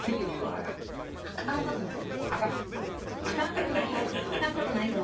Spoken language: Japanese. あかんことないよ。